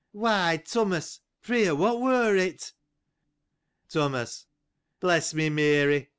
— Why, Thomas, pr'y you, what was it ? Thomas. — Bless me, Mary!